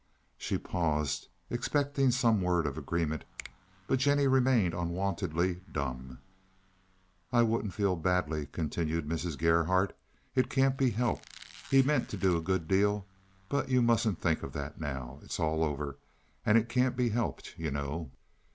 She paused, expecting some word of agreement, but Jennie remained unwontedly dumb. "I wouldn't feel badly," continued Mrs. Gerhardt. "It can't be helped. He meant to do a good deal, but you mustn't think of that now. It's all over, and it can't be helped, you know."